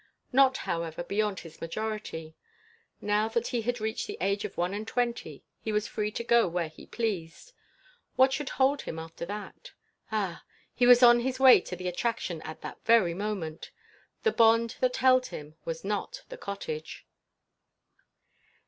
Not, however, beyond his majority. Now that he had reached the age of one and twenty, he was free to go where he pleased. What should hold him after that? Ah! he was on his way to the attraction at that very moment. The bond that held him was not at the cottage.